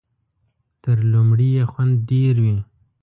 تر لومړي یې خوند ډېر وي .